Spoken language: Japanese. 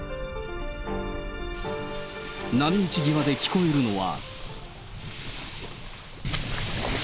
波打ち際で聞こえるのは。